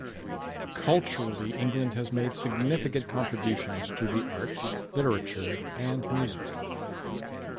Culturally, England has made significant contributions to the arts, literature, and music.